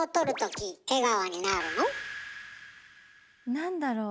何だろう。